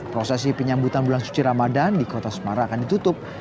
prosesi penyambutan bulan suci ramadan di kota semarang akan ditutup